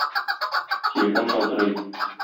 Телефон шалтырый.